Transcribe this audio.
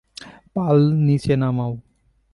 পাল নীচে নামাও!